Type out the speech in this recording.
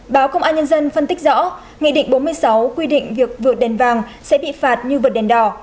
báo công an nhân dân phân tích rõ nghị định bốn mươi sáu quy định việc vượt đèn vàng sẽ bị phạt như vượt đèn đỏ